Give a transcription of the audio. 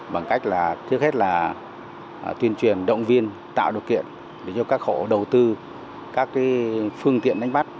bằng cách là trước hết là tuyên truyền động viên tạo điều kiện để cho các hộ đầu tư các phương tiện đánh bắt